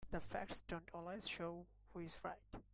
The facts don't always show who is right.